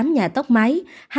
hai nhà tóc máy